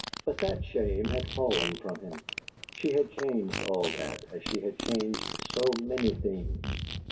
But that shame had fallen from him; she had changed all that, as she had changed so many things.